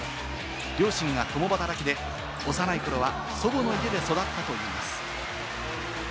両親が共働きで幼い頃は祖母の家で育ったといいます。